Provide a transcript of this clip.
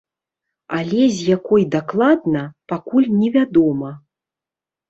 Але з якой дакладна, пакуль невядома.